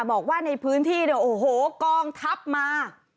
บอกว่าในพื้นที่เนี่ยโอ้โหกองทัพมา